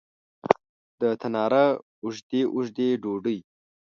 د تناره اوږدې، اوږدې ډوډۍ